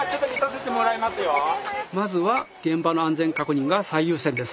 まずは現場の安全確認が最優先です。